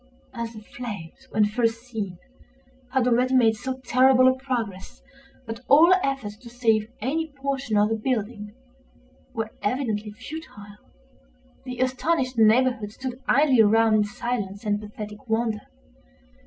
As the flames, when first seen, had already made so terrible a progress that all efforts to save any portion of the building were evidently futile, the astonished neighborhood stood idly around in silent and pathetic wonder.